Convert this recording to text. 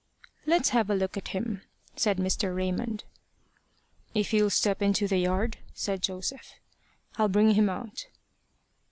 "Let's have a look at him," said Mr. Raymond. "If you'll step into the yard," said Joseph, "I'll bring him out."